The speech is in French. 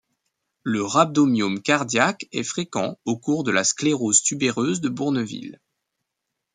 Le rhabdomyome cardiaque est fréquent au cours de la sclérose tubéreuse de Bourneville.